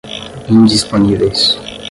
indisponíveis